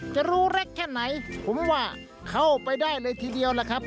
จะรู้เล็กแค่ไหนผมว่าเข้าไปได้เลยทีเดียวล่ะครับ